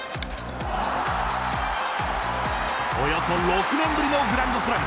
およそ６年ぶりのグランドスラム。